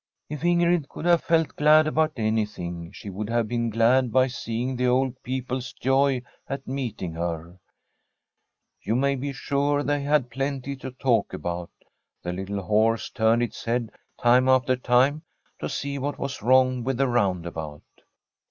If Ingrid could have felt glad about anything, she would have been glad by seeing the old peo ple's joy at meeting her. You may be sure they nad plenty to talk about. The little horse turned its head time after time to see what was wrong with the roundabout.